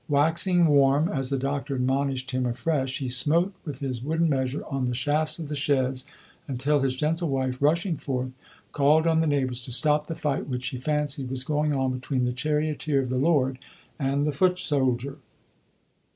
Waxing warm, as the doctor admonished him afresh, he smote with his wooden measure on the shafts of the chaise, until his gentle wife, rushing forth, called on the neighbors to stop the fight which she fancied was going on between the charioteer of the Lord and the foot soldier.